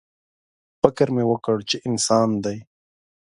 _فکر مې وکړ چې انسان دی.